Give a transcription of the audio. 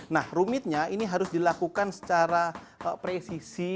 nah rumitnya ini harus dilakukan secara presisi